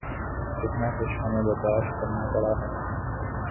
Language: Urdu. کتنا کچھ ہمیں برداشت کرنا پڑا ہے۔